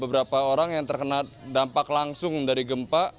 beberapa orang yang terkena dampak langsung dari gempa